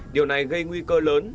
điều này gây nguy cơ lớn